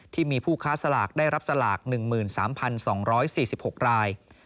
ที่มีผู้ค้าสลากได้รับสลาก๑๓๒๔๖ราย